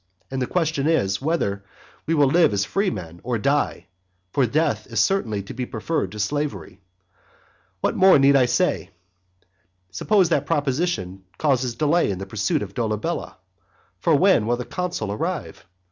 And the question is, whether we will live as freemen, or die, for death is certainly to be preferred to slavery. What more need I say? Suppose that proposition causes delay in the pursuit of Dolabella? For when will the consul arrive?